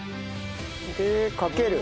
でかける。